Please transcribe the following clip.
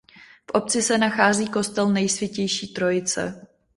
V obci se nachází kostel Nejsvětější Trojice.